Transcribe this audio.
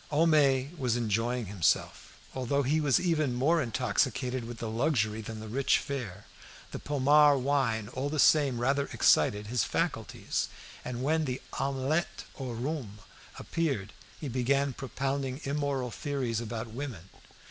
Homais was enjoying himself. Although he was even more intoxicated with the luxury than the rich fare, the Pommard wine all the same rather excited his faculties; and when the omelette au rhum appeared, he began propounding immoral theories about women.